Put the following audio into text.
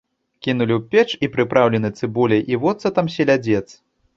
Кінулі ў печ і прыпраўлены цыбуляй і воцатам селядзец.